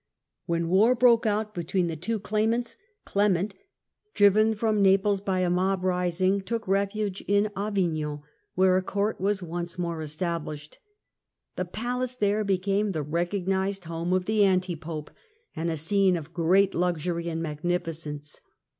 When war broke out between the two claimants, Clement, driven from Naples by a mob rising, took refuge in Avignon, where a Court was once more established. The palace there became the recognised home of the Anti pope and a scene of great luxury and magnificence.